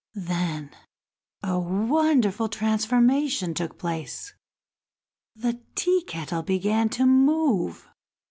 Then a wonderful transformation took place. The Tea kettle began to move.